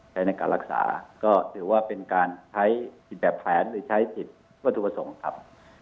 ใช้ในการรักษาก็ถือว่าเป็นการใช้ผิดแบบแผนหรือใช้ผิดวัตถุประสงค์ครับ